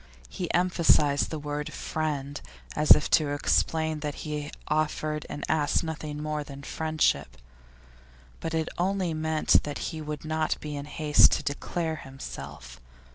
He emphasised the word 'friend,' as if to explain that he offered and asked nothing more than friendship. But it only meant that he would not be in haste to declare himself.